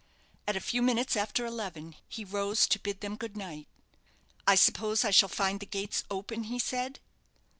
At a few minutes after eleven he rose to bid them good night. "I suppose I shall find the gates open?" he said.